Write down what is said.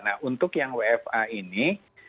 nah untuk yang wfa ini